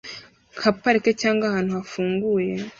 nka parike cyangwa ahantu hafunguye